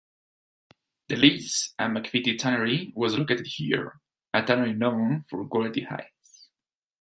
The Leas and McVitty Tannery was located here, a tannery known for quality hides.